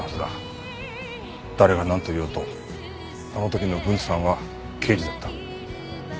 誰がなんと言おうとあの時の郡さんは刑事だった。